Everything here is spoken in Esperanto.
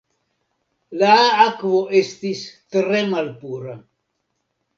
La akvo estis tre malpura.